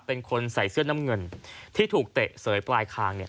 เป็นคนใส่เสื้อน้ำเงินที่ถูกเตะเสยปลายคางเนี่ย